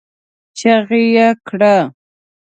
چيغه يې کړه!